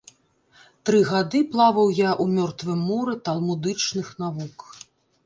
Тры гады плаваў я ў мёртвым моры талмудычных навук.